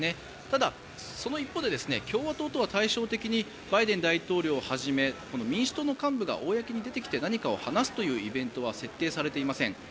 ただ、その一方で共和党とは対照的にバイデン大統領をはじめ民主党の幹部が公に出てきて何かを話すというイベントは設定されていません。